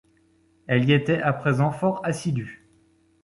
Elle y était à présent fort assidue.